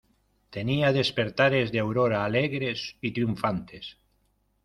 tenía despertares de aurora alegres y triunfantes.